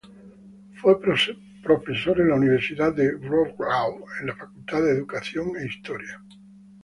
Fue profesor en la Universidad de Wroclaw en la Facultad de Educación e Historia.